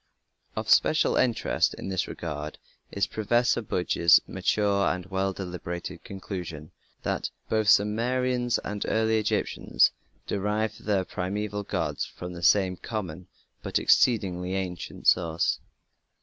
Of special interest in this regard is Professor Budge's mature and well deliberated conclusion that "both the Sumerians and early Egyptians derived their primeval gods from some common but exceedingly ancient source".